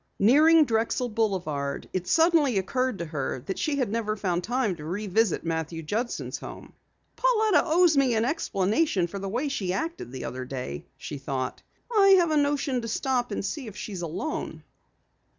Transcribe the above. Nearing Drexel Boulevard it suddenly occurred to her that she never had found time to revisit Matthew Judson's home. "Pauletta owes me an explanation for the way she acted the other day," she thought. "I have a notion to stop and see if she's alone."